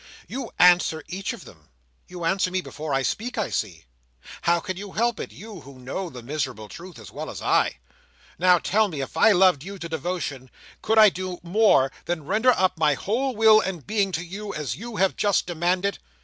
"You answer each of them. You answer me before I speak, I see. How can you help it; you who know the miserable truth as well as I? Now, tell me. If I loved you to devotion, could I do more than render up my whole will and being to you, as you have just demanded?